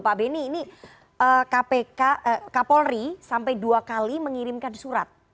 pak beni ini kapolri sampai dua kali mengirimkan surat